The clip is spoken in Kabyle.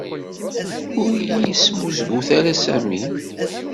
Ur iyi-yesmuzgut ara Sami.